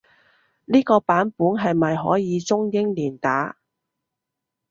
呢個版本係咪可以中英連打？